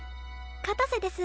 片瀬です。